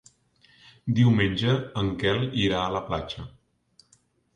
Diumenge en Quel irà a la platja.